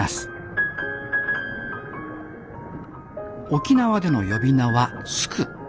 沖縄での呼び名は「スク」。